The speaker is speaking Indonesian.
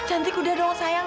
cantik udah dong sayang